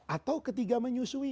atau ketiga menyusui